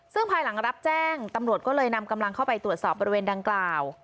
ซึ่งภายหลังรับแจ้งตำรวจก็เลยนำกำลังเข้าไปตรวจสอบบริเวณดังกล่าว